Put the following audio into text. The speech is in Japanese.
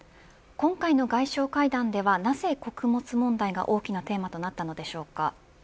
今回の外相会談では、なぜ穀物問題が大きなテーマとなったのでしょうか。